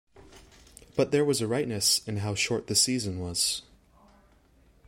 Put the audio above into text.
But there was a rightness in how short the season was.